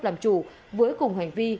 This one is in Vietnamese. làm chủ với cùng hành vi